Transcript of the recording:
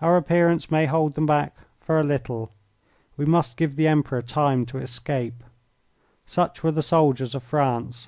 "Our appearance may hold them back for a little. We must give the Emperor time to escape." Such were the soldiers of France.